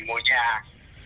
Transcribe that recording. một người lý